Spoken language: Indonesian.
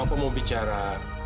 apa mau bicara